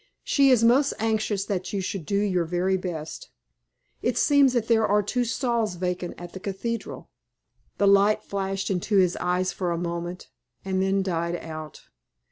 She is most anxious that you should do your very best. It seems that there are two stalls vacant at the cathedral." The light flashed into his eyes for a moment, and then died out.